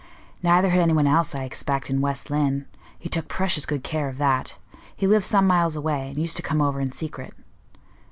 "Neither had anybody else, I expect, in West Lynne. He took precious good care of that. He lives some miles away, and used to come over in secret."